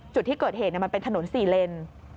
จุดที่เกิดเหตุมันเป็นถนน๔เลน